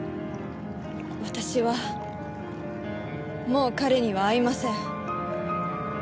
私はもう彼には会いません。